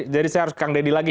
jadi saya harus kang dedy lagi